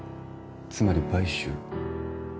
つまり買収？